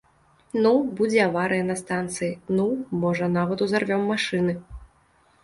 Ну, будзе аварыя на станцыі, ну, можа, нават узарвём машыны.